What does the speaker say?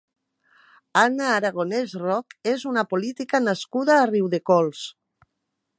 Anna Aragonès Roc és una política nascuda a Riudecols.